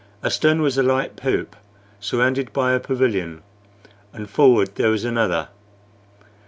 Astern was a light poop, surrounded by a pavilion, and forward there was another.